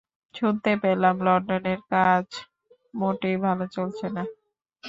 শুনতে পেলাম লণ্ডনের কাজ মোটেই ভাল চলছে না।